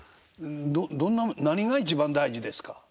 どんな何が一番大事ですか？